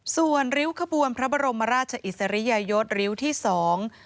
ส่วนริ้วขบวนพระบรมราชอิสริยยศริ้วที่สอง